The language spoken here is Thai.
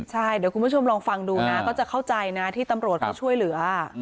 ใช่เดี๋ยวคุณผู้ชมลองฟังดูนะก็จะเข้าใจนะที่ตำรวจเขาช่วยเหลือ